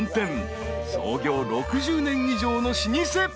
［創業６０年以上の老舗］